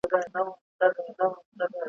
چي پراته دي دا ستا تروم په موږ وژلي ,